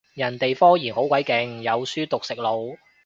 人哋科研好鬼勁，有讀書食腦